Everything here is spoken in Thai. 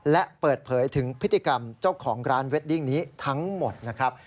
และเปิดเผยถึงพฤติกรรมเจ้าของร้านเวดดิ้งนี้ทั้งหมดนะครับ